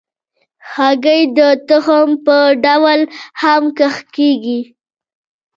هګۍ د تخم په ډول هم کښت کېږي.